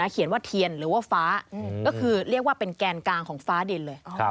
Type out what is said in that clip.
เขียนว่าเทียนหรือว่าฟ้าก็คือเรียกว่าเป็นแกนกลางของฟ้าดินเลย